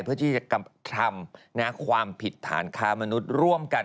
เพื่อที่จะกระทำความผิดฐานค้ามนุษย์ร่วมกัน